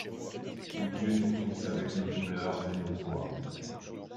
Où Dieu nous pousse avec nos douleurs et nos joies !